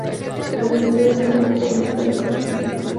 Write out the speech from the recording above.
La estructura es un poco neo-clásica.